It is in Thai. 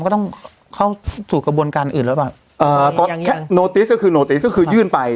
ก็ต้องเข้าสู่กระบวนการอื่นหรือเปล่าเอ่อตอนแค่โนติสก็คือโนติสก็คือยื่นไป